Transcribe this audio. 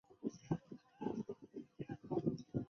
伏见宫贞清亲王是江户时代初期的皇族。